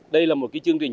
đây là một chương trình